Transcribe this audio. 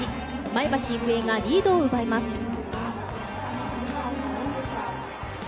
前橋育英がリードを奪います。